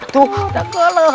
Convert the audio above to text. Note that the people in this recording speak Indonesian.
aduh sudah geles